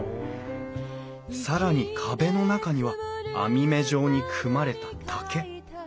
更に壁の中には網目状に組まれた竹。